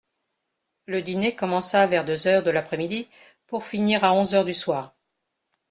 Le dîner commença vers deux heures de l'après-midi, pour finir à onze du soir.